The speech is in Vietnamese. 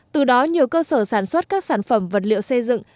từ đó nhiều cơ sở sản xuất các sản phẩm vật liệu xây dựng